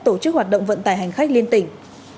tổ chức hoạt động vận tải hành khách liên tỉnh